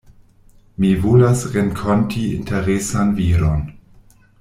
Mi volas renkonti interesan viron.